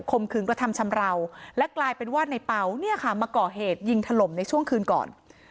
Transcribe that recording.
มขืนกระทำชำราวและกลายเป็นว่าในเป๋าเนี่ยค่ะมาก่อเหตุยิงถล่มในช่วงคืนก่อน